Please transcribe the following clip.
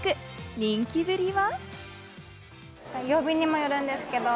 人気ぶりは？